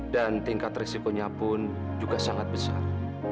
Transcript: dan tingkat resiponya pun juga sangat besar